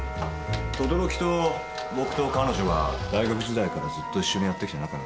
等々力と僕と彼女は大学時代からずっと一緒にやってきた仲なんです。